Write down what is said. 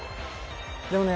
でもね